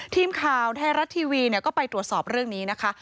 ทีมข่าวไทยรัฐทีวีก็ไปตรวจสอบเรื่องนี้นะคะ